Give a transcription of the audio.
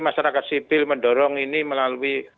masyarakat sipil mendorong ini melalui